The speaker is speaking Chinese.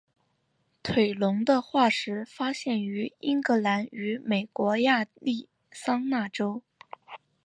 腿龙的化石发现于英格兰与美国亚利桑那州。